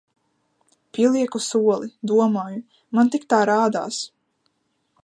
Pielieku soli, domāju man tik tā rādās.